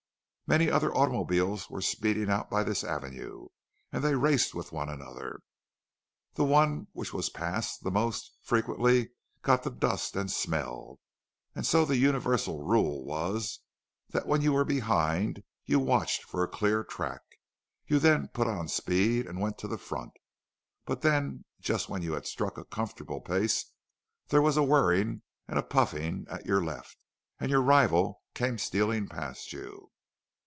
Many other automobiles were speeding out by this avenue, and they raced with one another. The one which was passed the most frequently got the dust and smell; and so the universal rule was that when you were behind you watched for a clear track, and then put on speed, and went to the front; but then just when you had struck a comfortable pace, there was a whirring and a puffing at your left, and your rival came stealing past you.